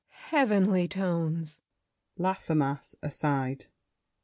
Heavenly tones! LAFFEMAS (aside).